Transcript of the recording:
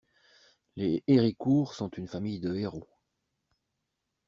Les Héricourt sont une famille de héros.